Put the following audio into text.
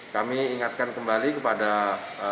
kami ingatkan kembali kepada